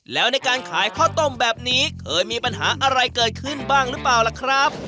แล้วในการขายข้าวต้มแบบนี้เคยมีปัญหาอะไรเกิดขึ้นบ้างหรือเปล่าล่ะครับ